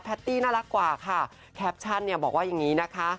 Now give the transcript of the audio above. ตี้น่ารักกว่าค่ะแคปชั่นเนี่ยบอกว่าอย่างนี้นะคะ